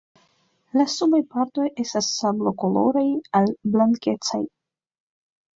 La subaj partoj estas sablokoloraj al blankecaj.